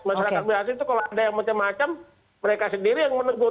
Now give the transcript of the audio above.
masyarakat biasa itu kalau ada yang macam macam mereka sendiri yang menegur